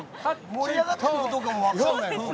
盛り上がってるかどうかも分からないよ。